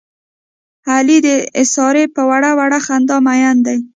علي د سارې په وړه وړه خندا مین دی.